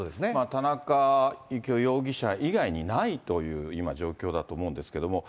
田中幸雄容疑者以外にないという今、状況だと思うんですけども。